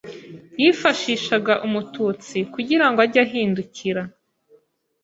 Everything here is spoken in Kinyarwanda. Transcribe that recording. yifashishaga Umututsi kugirango ajye ahindukira